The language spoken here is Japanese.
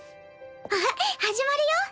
あっ始まるよ。